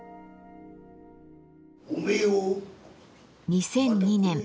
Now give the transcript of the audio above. ２００２年